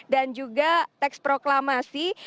dan juga teks proklamasi